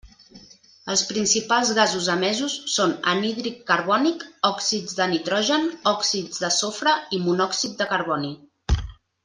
Els principals gasos emesos són anhídrid carbònic, òxids de nitrogen, òxids de sofre i monòxid de carboni.